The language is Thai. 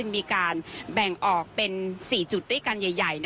มีการแบ่งออกเป็น๔จุดด้วยกันใหญ่